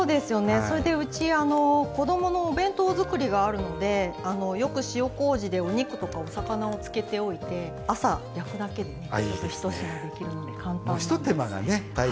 それでうち子どものお弁当作りがあるのでよく塩こうじでお肉とかお魚を漬けておいて朝、焼くだけでひと品できるので簡単ですね。